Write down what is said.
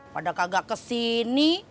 pada kagak kesini